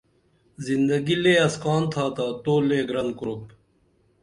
زندگی لے اسکان تھا تا تو لے گرن کُرُپ